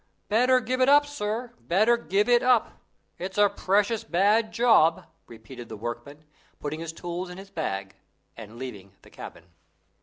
"Better give it up, sir better give it up! It's a precious bad job," repeated the workman, putting his tools in his bag and leaving the cabin.